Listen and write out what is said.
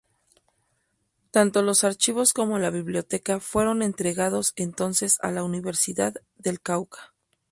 Tanto los archivos como la biblioteca fueron entregados entonces a la Universidad del Cauca.